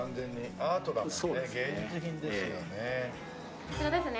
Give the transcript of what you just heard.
こちらですね